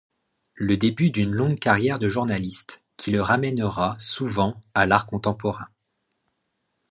Le début d'une longue carrière de journaliste, qui le ramènera souvent à l'art contemporain.